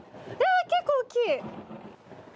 結構大きい。